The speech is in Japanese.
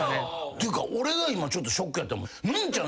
っていうか俺が今ちょっとショックやったもん。